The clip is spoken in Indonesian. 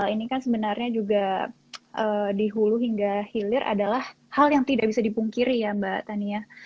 ini kan sebenarnya juga di hulu hingga hilir adalah hal yang tidak bisa dipungkiri ya mbak tania